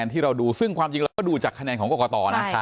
ทุกที่ใช้กอกตอ